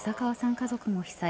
家族も被災。